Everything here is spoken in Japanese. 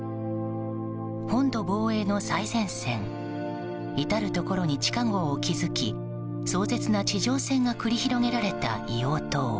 本土防衛の最前線至るところに地下壕を築き壮絶な地上戦が繰り広げられた硫黄島。